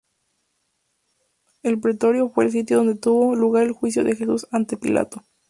El pretorio fue el sitio donde tuvo lugar el juicio de Jesús ante Pilato.